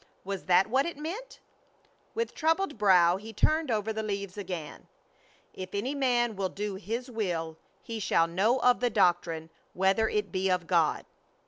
Was that what it meant? With troubled brow he turned over the leaves again: If any man will do his will, he shall know of the doctrine, whether it be of God.